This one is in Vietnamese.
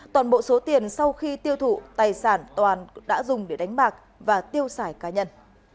toàn bộ số tiền sau khi tiêu thụ tài sản toàn đã dùng để đánh bạc và tiêu xài cá nhân